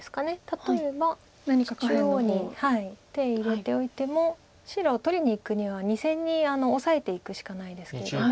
例えば中央に手入れておいても白を取りにいくには２線にオサえていくしかないんですけれども。